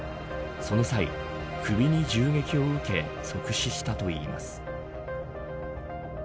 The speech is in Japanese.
その際、首に銃撃を受け即死したといいます。